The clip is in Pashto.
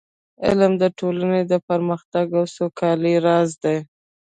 علم د ټولنې د پرمختګ او سوکالۍ راز دی.